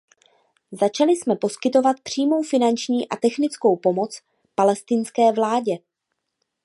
Začali jsme poskytovat přímou finanční a technickou pomoc palestinské vládě.